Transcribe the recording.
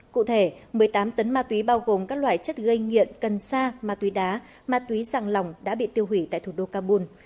cụ thể một mươi tám tấn ma túy bao gồm các loại chất gây nghiện cần sa ma túy đá ma túy giàng lỏng đã bị tiêu hủy tại thủ đô kabul